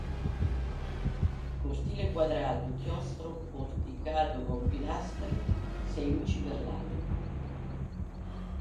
Cortile quadrato, chiostro porticato con pilastri, sei luci per lato.